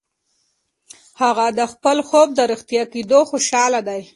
هغه د خپل خوب د رښتیا کېدو خوشاله ده.